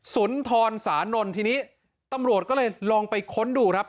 สุนทรสานนท์ทีนี้ตำรวจก็เลยลองไปค้นดูครับ